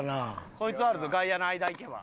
こいつはあるぞ外野の間いけば。